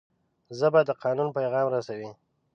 ژبه د قانون پیغام رسوي